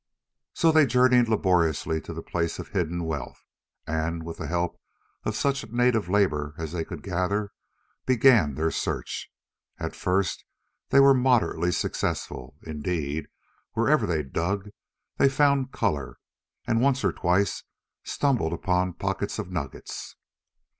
So they journeyed laboriously to the place of hidden wealth, and with the help of such native labour as they could gather began their search. At first they were moderately successful; indeed, wherever they dug they found "colour," and once or twice stumbled upon pockets of nuggets.